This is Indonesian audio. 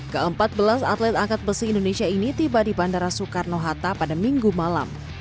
keempat belas atlet angkat besi indonesia ini tiba di bandara soekarno hatta pada minggu malam